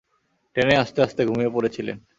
ট্রেনে আসতে আসতে ঘুমিয়ে পড়েছিলেন।